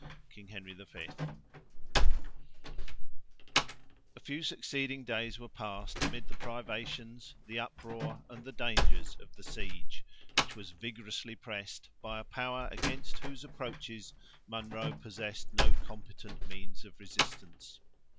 —King Henry V A few succeeding days were passed amid the privations, the uproar, and the dangers of the siege, which was vigorously pressed by a power, against whose approaches Munro possessed no competent means of resistance.